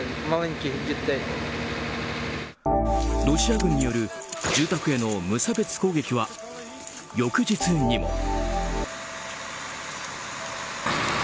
ロシア軍による住宅への無差別攻撃は翌日にも。